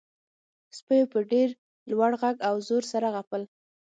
سپیو په ډیر لوړ غږ او زور سره غپل